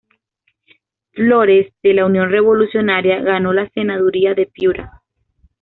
Flores, de la Unión Revolucionaria, ganó la senaduría de Piura.